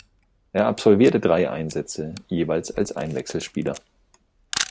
Er absolvierte drei Einsätze, jeweils als Einwechselspieler.